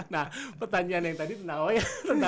nah pertanyaan yang tadi tentang apa ya